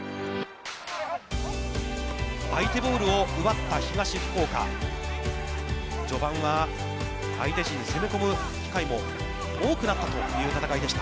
相手ボールを奪った東福岡、序盤は、相手陣に攻め込む機会も多くなったという戦いでした。